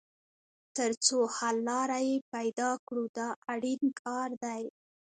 تر څو حل لاره یې پیدا کړو دا اړین کار دی.